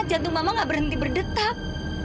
jantung mama gak berhenti berdetak